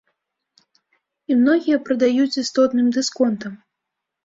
І многія прадаюць з істотным дысконтам.